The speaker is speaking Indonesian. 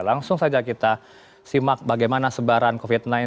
langsung saja kita simak bagaimana sebaran covid sembilan belas